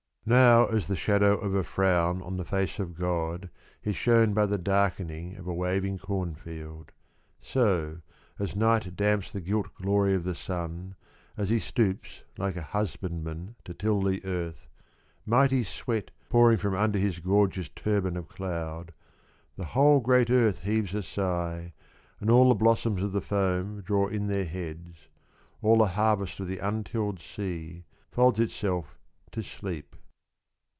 Now as the shadow of a frown On the face of God Is shown by the darkening of a waving cornfield, So, as night damps the gilt glory of the Sun As he stoops like a husbandman to till the Earth, Mighty sweat pouring from under his gorgeous turban of cloud, The whole great Earth heaves a sigh And all the blossoms of the foam draw in their heads, All the harvest of the untilled sea folds itself to sleep.